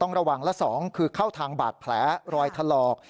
ระวังละ๒คือเข้าทางบาดแผลรอยถลอก